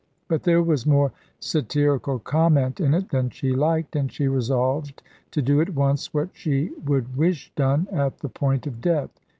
But there was more satirical comment in it than she liked, and she resolved to do at once what she would wish done at the point of death.